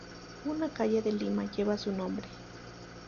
Una calle de Lima lleva su nombre.